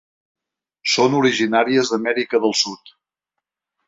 Són originàries d'Amèrica del sud.